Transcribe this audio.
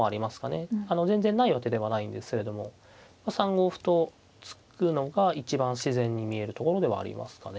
全然ないわけではないんですけれども３五歩と突くのが一番自然に見えるところではありますかね。